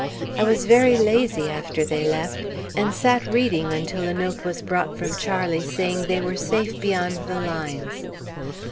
I was very lazy after they left; and sat reading until a note was brought from Charlie saying they were safe beyond the lines.